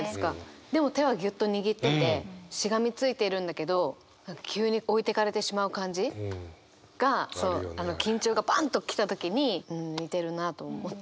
でも手はぎゅっと握っててしがみついているんだけど急に置いてかれてしまう感じが緊張がバンッと来た時に似てるなと思って書いたんですけど。